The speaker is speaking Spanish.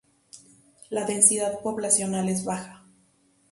La densidad poblacional es baja.